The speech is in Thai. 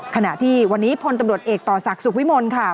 ขณะที่วันนี้พลตำรวจเอกต่อศักดิ์สุขวิมลค่ะ